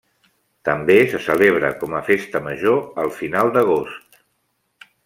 També se celebra, com a festa major, al final d'agost.